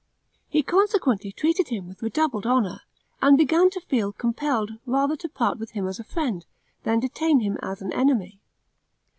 He consequently treated him with redoubled honor, and began to feel compelled rather to part with him as a friend, than detain him as an enemy.